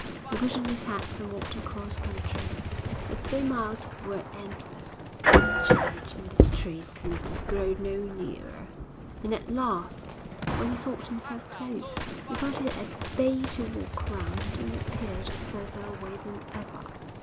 He put on his hat and walked across country; the three miles were endless; the church and the trees seemed to grow no nearer, and at last, when he thought himself close, he found he had a bay to walk round, and it appeared further away than ever.